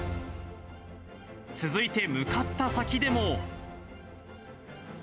続いて向かった先でも。